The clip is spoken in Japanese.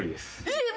えっ？